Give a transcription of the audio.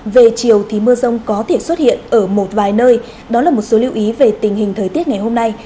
về chiều thì mưa rông có thể xuất hiện ở một vài nơi đó là một số lưu ý về tình hình thời tiết ngày hôm nay